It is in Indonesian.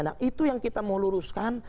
nah itu yang kita mau luruskan